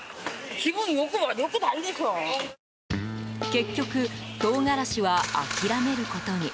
結局、唐辛子は諦めることに。